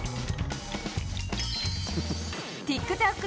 ＴｉｋＴｏｋ